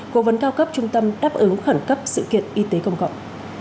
cố vấn cao cấp trung tâm đáp ứng khẩn cấp sự kiện y tế công cộng